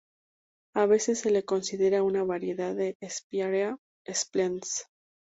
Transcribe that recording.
A veces se la considera una variedad de "Spiraea splendens".